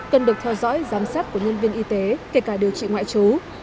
cần được theo dõi giám sát của nhân viên y tế kể cả điều trị ngoại trú